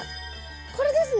これですね？